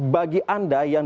bagi anda yang